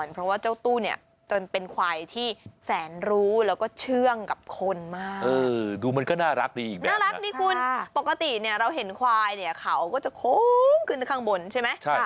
ปกติเราเห็นควายเขาก็จะโค้งขึ้นข้างบนใช่ไหมใช่